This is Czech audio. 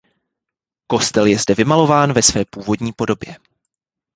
Kostel je zde vymalován ve své původní podobě.